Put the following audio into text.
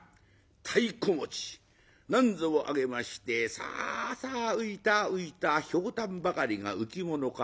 太鼓持ちなんぞをあげまして「さあさあ浮いた浮いたひょうたんばかりが浮き物か。